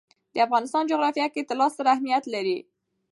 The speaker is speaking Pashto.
د افغانستان جغرافیه کې طلا ستر اهمیت لري.